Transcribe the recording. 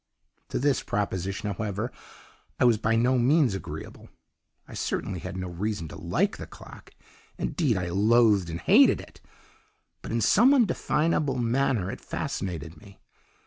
"To this proposition, however, I was by no means agreeable. I certainly had no reason to like the clock indeed I loathed and hated it but in some indefinable manner it fascinated me.